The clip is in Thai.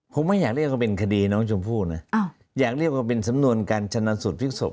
ผมไม่อยากเรียกว่าเป็นคดีน้องชมพู่นะอยากเรียกว่าเป็นสำนวนการชนะสูตรพลิกศพ